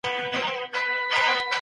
ادم عليه سلام د خدای لومړنی استازی و.